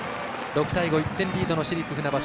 ６対５１点リードの市立船橋。